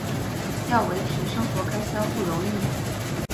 要维持生活开销不容易